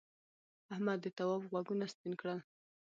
احمد د تواب غوږونه سپین کړل.